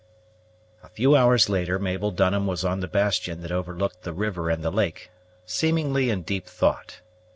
A few hours later Mabel Dunham was on the bastion that overlooked the river and the lake, seemingly in deep thought.